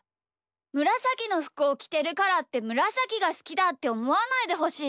むらさきのふくをきてるからってむらさきがすきだっておもわないでほしいです。